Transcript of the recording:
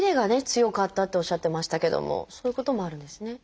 強かったっておっしゃってましたけどもそういうこともあるんですね。